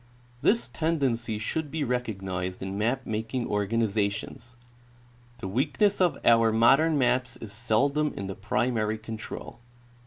This tendency should be recognized in map making organizations. The weakness of our modern maps is seldom in the primary control.